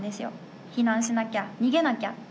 避難しなきゃ逃げなきゃ。